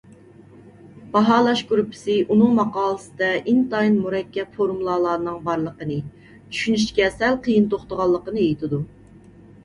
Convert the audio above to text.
باھالاش گۇرۇپپىسى ئۇنىڭ ماقالىسىدە ئىنتايىن مۇرەككەپ فورمۇلالارنىڭ بارلىقىنى، چۈشىنىشكە سەل قىيىن توختىغانلىقىنى ئېيتىدۇ.